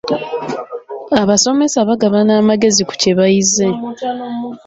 Abasomesa bagabana amagezi ku kye bayize.